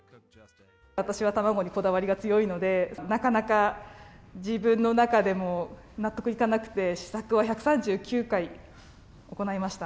私は卵にこだわりが強いので、なかなか自分の中でも納得いかなくて、試作を１３９回行いました。